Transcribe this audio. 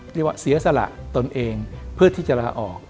เรียกว่าเสียสละตนเองเพื่อที่จะลาออก